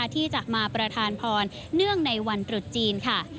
ที่จะมาประทานพรเนื่องในวันตรุษจีนค่ะ